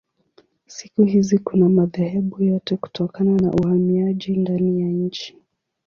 Siku hizi kuna madhehebu yote kutokana na uhamiaji ndani ya nchi.